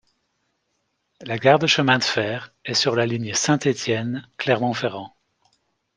La gare de chemin de fer est sur la ligne Saint-Étienne - Clermont-Ferrand.